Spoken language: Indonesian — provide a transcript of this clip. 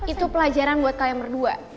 itu pelajaran buat kalian berdua